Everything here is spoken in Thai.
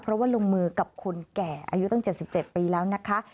เพราะว่าลงมือกับคนแก่อายุตั้ง๗๗ปีแล้วนะคะ